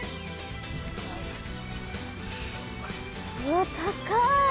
うわっ高い！